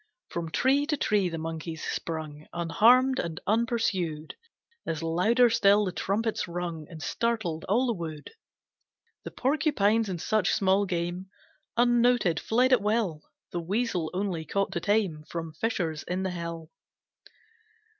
From tree to tree the monkeys sprung, Unharmed and unpursued, As louder still the trumpets rung And startled all the wood. The porcupines and such small game Unnoted fled at will, The weasel only caught to tame From fissures in the hill.